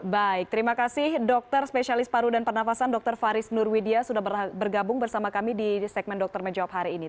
baik terima kasih dokter spesialis paru dan pernafasan dr faris nurwidia sudah bergabung bersama kami di segmen dokter menjawab hari ini